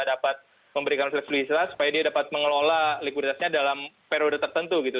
jadi ini bisa jadi yang dapat memberikan fleksibilitas supaya dia dapat mengelola likuiditasnya dalam periode tertentu gitu